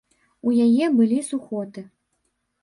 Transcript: У яе былі сухоты.